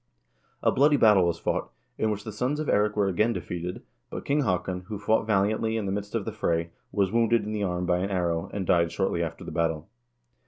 A bloody battle was fought, in which the sons of Eirik were again defeated, but King Haakon, who fought valiantly in the midst of the fray, was wounded in the arm by an arrow, and died shortly after the battle.